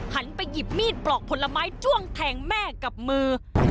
หันไปหยิบมีดปลอกผลไม้จ้วงแทงแม่กับมือ